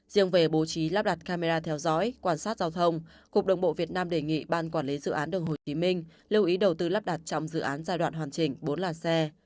riêng về bố trí lắp đặt camera theo dõi quan sát giao thông cục đường bộ việt nam đề nghị ban quản lý dự án đường hồ chí minh lưu ý đầu tư lắp đặt trong dự án giai đoạn hoàn chỉnh bốn làn xe